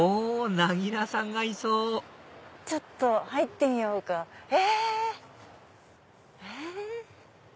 なぎらさんがいそうちょっと入ってみようかえ？